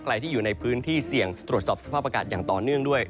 ใครที่อยู่ในพื้นที่เสี่ยงตรวจสอบสภาพอากาศอย่างต่อเนื่องด้วย